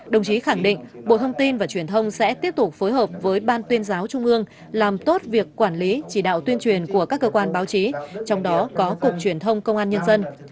đồng chí khẳng định bộ thông tin và truyền thông sẽ tiếp tục phối hợp với ban tuyên giáo trung ương làm tốt việc quản lý chỉ đạo tuyên truyền của các cơ quan báo chí trong đó có cục truyền thông công an nhân dân